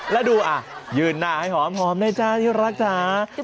แล้วดูยืนหน้าให้หอมได้จ้าที่รักจ้า